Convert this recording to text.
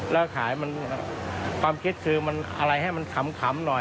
แล้วขายมันความคิดคือมันอะไรให้มันขำหน่อย